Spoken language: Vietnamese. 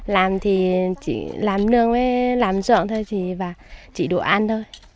làm thì chỉ làm nương với làm dưỡng thôi chỉ đồ ăn thôi